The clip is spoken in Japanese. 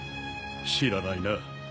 知らないな。